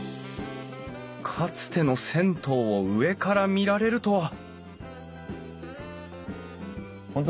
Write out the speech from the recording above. かつての銭湯を上から見られるとは！